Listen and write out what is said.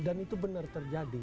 dan itu benar terjadi